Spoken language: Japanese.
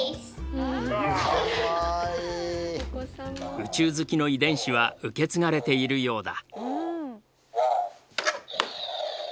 宇宙好きの遺伝子は受け継がれているようだ。